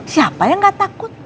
siapa yang gak takut